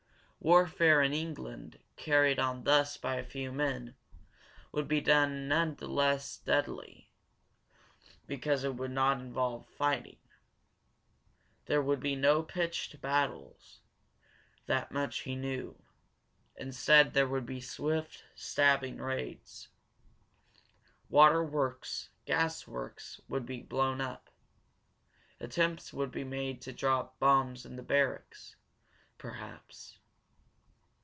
Warfare in England, carried on thus by a few men, would be none the less deadly because it would not involve fighting. There would be no pitched battles, that much he knew. Instead, there would be swift, stabbing raids. Water works, gas works, would be blown up. Attempts would be made to drop bombs in barracks, perhaps.